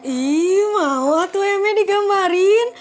iiih mau atuh eme digambarin